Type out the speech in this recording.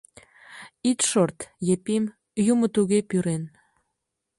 Ит шорт, Епим, юмо туге пӱрен.